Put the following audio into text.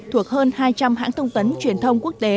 thuộc hơn hai trăm linh hãng thông tấn truyền thông